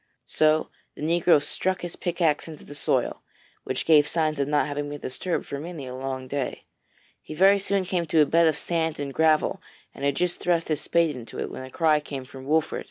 So the negro struck his pickaxe into the soil, which gave signs of not having been disturbed for many a long day. He very soon came to a bed of sand and gravel, and had just thrust his spade into it, when a cry came from Wolfert.